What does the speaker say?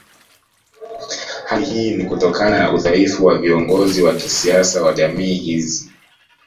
Hali hii ni Kutokana na udhaifu wa viongozi wa kisiasa wa jamii hizi